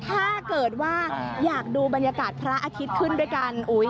ถ้าเกิดว่าอยากดูบรรยากาศพระอาทิตย์ขึ้นด้วยกัน